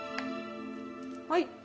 はい。